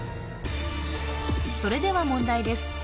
それでは問題です